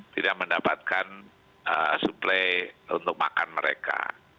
tidak mendapatkan suplai untuk makan mereka